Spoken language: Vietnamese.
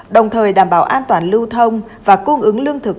đồng thời đảm bảo an toàn lưu thông và cung ứng lương thực